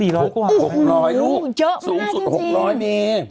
๖๐๐ลูกสูงสุด๖๐๐ลูก